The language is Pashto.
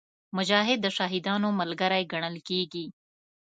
مجاهد د شهیدانو ملګری ګڼل کېږي.